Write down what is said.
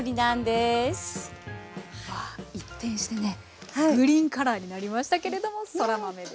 一転してねグリーンカラーになりましたけれどもそら豆です。